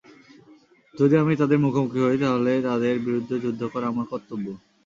যদি আমি তাদের মুখোমুখী হই তাহলে তাদের বিরুদ্ধে যুদ্ধ করা আমার কর্তব্য।